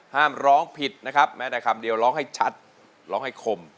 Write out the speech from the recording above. ร้องผิดนะครับแม้แต่คำเดียวร้องให้ชัดร้องให้คม